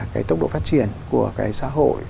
cái tốc độ phát triển của cái xã hội